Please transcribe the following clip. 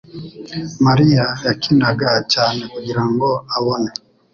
Mariya yakinaga cyane kugirango abone